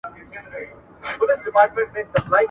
په هیڅ توګه